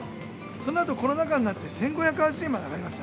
そのあと、コロナ禍になって、１５８０円まで上がりました。